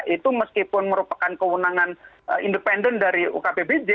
itu meskipun merupakan kewenangan independen dari ukpbj